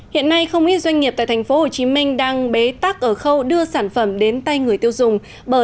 hiện nay không ít doanh nghiệp tại tp hcm đang bế tắc ở khâu đưa sản phẩm đến tay người tiêu dùng